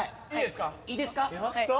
いいですか？